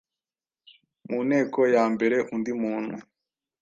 Mu nteko ya mbere: Undi muntu